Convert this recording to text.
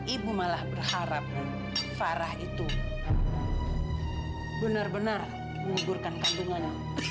ibu malah berharap farah itu benar benar menguburkan kandungannya